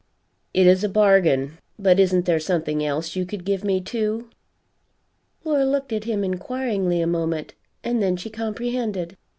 "It is a bargain. But isn't there something else you could give me, too?" Laura looked at him inquiringly a moment, and then she comprehended.